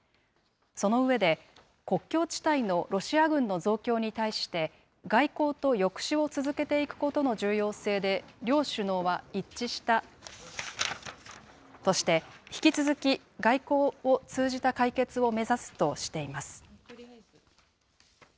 その上で、国境地帯のロシア軍の増強に対して、外交と抑止を続けていくことの重要性で両首脳は一致したとして、引き続き、外交を通じた解決を目指すとしています。